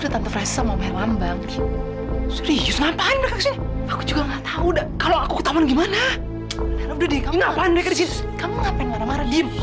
tunggu kamu di sini aja